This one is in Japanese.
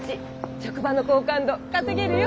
職場の好感度稼げるよ！